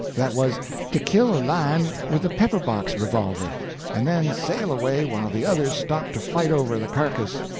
That was, to kill a lion with the pepper box revolver, and then sail away while the others stopped to fight over the carcass.